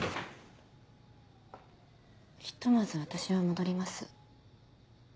・ひとまず私は戻ります。